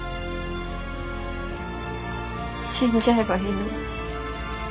死んじゃえばいいのに。